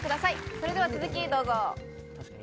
それでは続きをどうぞ。